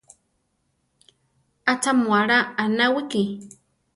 ¿Achá mu alá anáwiki?